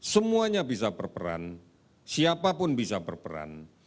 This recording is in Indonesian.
semuanya bisa berperan siapapun bisa berperan